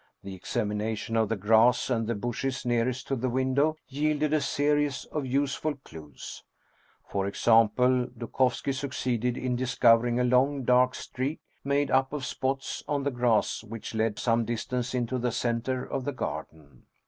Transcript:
The examination of the grass and the bushes nearest to the window yielded a series of useful clews. For example, Dukovski succeeded in discovering a long, dark streak, made up of spots, on the grass, which led some distance into the center of the garden.